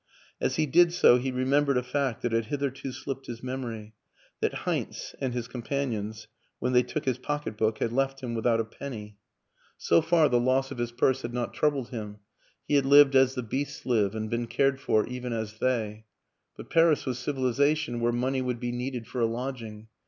As he did so he remembered a fact that had hitherto slipped his memory that Heinz and his companions, when they took his pocket book, had left him without a penny. So far the loss of WILLIAM AN ENGLISHMAN 189 his purse had not troubled him; he had lived as the beasts live and been cared for even as they; but Paris was civilization where money would be needed for a lodging.